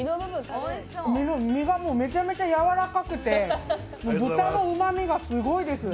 身がもうめちゃめちゃ柔らかくて豚のうまみがすごいです。